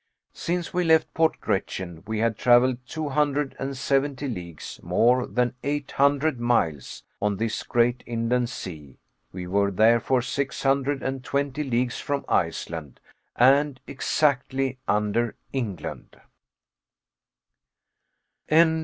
Since we left Port Gretchen, we had traveled two hundred and seventy leagues more than eight hundred miles on this great inland sea; we were, therefore, six hundred and twenty leagues from Iceland, and exactly under England.